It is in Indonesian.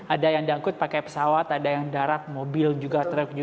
ada yang diangkut pakai pesawat ada yang darat mobil juga